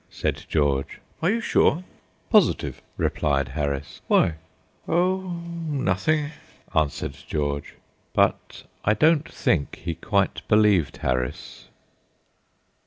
said George. "Are you sure?" "Positive," replied Harris. "Why?" "Oh, nothing!" answered George. But I don't think he quite believed Harris.